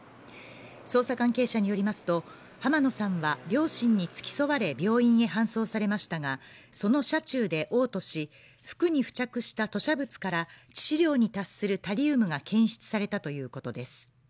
捜査関係者によりますと、濱野さんは両親に付き添われ病院へ搬送されましたが、その車中で嘔吐し服に付着した吐しゃ物から致死量に達するタリウムが検出されたということです。